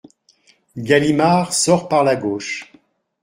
Galimard sort par la gauche.